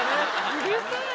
うるさいな。